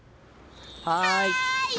はい！